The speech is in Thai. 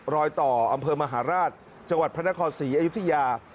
รอยต่ออำเภอมหาราชจังหวัดพระนครศรีอยุธยา